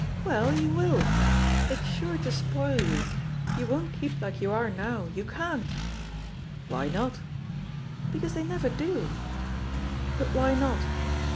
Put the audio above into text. "Well, you will I it's sure to spoil you — ^you won't keep like you are now; you can't I" "Why not?" "Because they never do/* "But why not?"